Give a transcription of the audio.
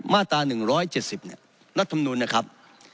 มาตรา๑๗๐เนี่ยรัฐมนุนนะครับ